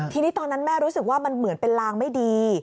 ทีนี้ตอนนั้นแม่รู้สึกว่ามันเหมือนเป็นลางไม่ดี